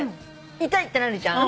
痛いってなるじゃん。